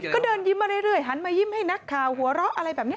ก็เดินยิ้มมาเรื่อยหันมายิ้มให้นักข่าวหัวเราะอะไรแบบนี้